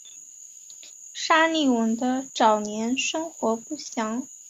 沙利文的早年生活不详。